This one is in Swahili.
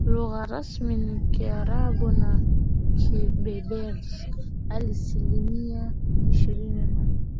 Lugha rasmi ni Kiarabu na Kiberbers asilimia ishirini na